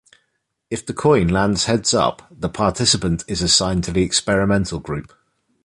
If the coin lands heads-up, the participant is assigned to the Experimental Group.